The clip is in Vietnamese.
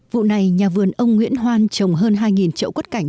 vụ này nhà vườn ông nguyễn hoan trồng hơn hai trậu quất cảnh